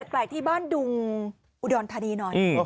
แปลกที่บ้านดุงอุดรธานีหน่อย